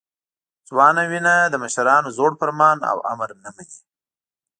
ځوانه وینه د مشرانو زوړ فرمان او امر نه مني.